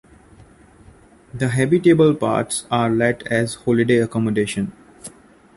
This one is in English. The habitable parts are let as holiday accommodation.